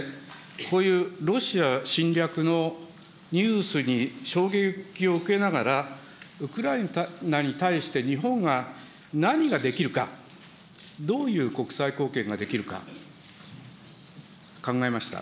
こういうロシア侵略のニュースに衝撃を受けながら、ウクライナに対して日本が何ができるか、どういう国際貢献ができるか、考えました。